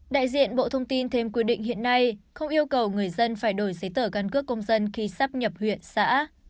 đại diện bộ thông tin thêm quy định hiện nay không yêu cầu người dân phải đổi giấy tờ căn cước công dân khi sắp nhập huyện xã